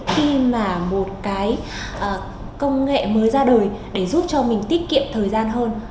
khi mà một cái công nghệ mới ra đời để giúp cho mình tiết kiệm thời gian hơn